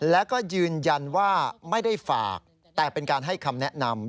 แล้วก็ยืนยันว่าไม่ได้ฝากแต่เป็นการให้คำแนะนำ